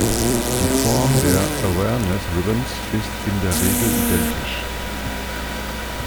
Die Form der Awareness Ribbons ist in der Regel identisch.